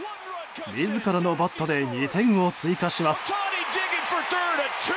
自らのバットで２点を追加します。